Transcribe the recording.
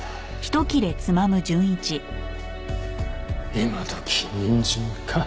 今時にんじんか。